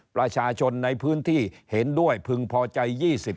ประชาชนในพื้นที่เห็นด้วยพึงพอใจ๒๐